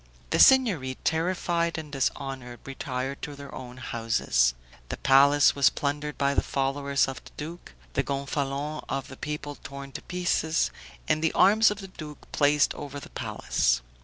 The Signory, terrified and dishonored, retired to their own houses; the palace was plundered by the followers of the duke, the Gonfalon of the people torn to pieces, and the arms of the duke placed over the palace.